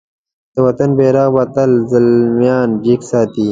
د وطن بېرغ به تل زلميان جګ ساتی.